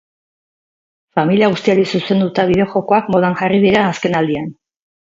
Familia guztiari zuzenduta bideojokoak modan jarri dira azkenaldian.